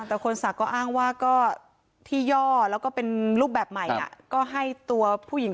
แต่คนศักดิ์ก็อ้างว่าก็ที่ย่อแล้วก็เป็นรูปแบบใหม่ก็ให้ตัวผู้หญิง